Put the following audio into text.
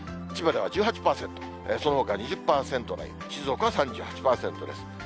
千葉では１８％、そのほかは２０％台、静岡は３８％です。